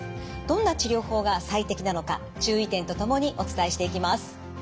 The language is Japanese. どんな治療法が最適なのか注意点とともにお伝えしていきます。